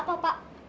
ada apa pak